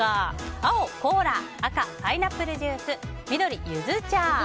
青、コーラ赤、パイナップルジュース緑、ユズ茶。